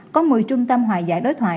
có một mươi trung tâm hòa giải đối thoại